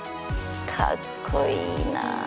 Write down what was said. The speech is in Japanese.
かっこいいな。